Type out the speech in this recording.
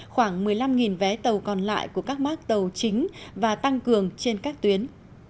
khoảng một mươi năm vé tàu còn lại của các mác tàu chính và tăng cường trên các tuyến